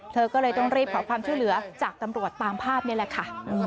เธอก็เลยต้องรีบขอความช่วยเหลือจากตำรวจตามภาพนี่แหละค่ะ